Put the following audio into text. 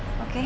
apa lagi sih